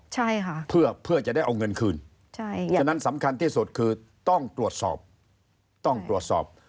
ใช่ค่ะเพื่อจะได้เอาเงินคืนฉะนั้นสำคัญที่สุดคือต้องตรวจสอบ